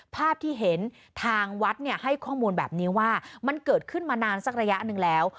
ภาพที่เห็นทางวัดให้ข้อมูลแบบนี้ว่ามันเกิดขึ้นมานานสักระยะหนึ่งแล้ว